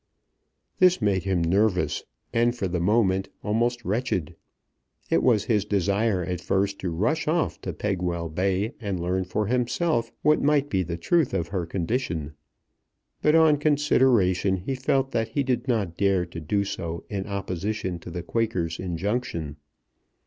This made him nervous, and for the moment almost wretched. It was his desire at first to rush off to Pegwell Bay and learn for himself what might be the truth of her condition. But on consideration he felt that he did not dare to do so in opposition to the Quaker's injunction.